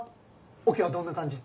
オケはどんな感じ？